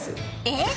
えっ？